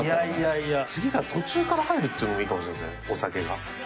次から途中から入るっていうのもいいかもお酒が。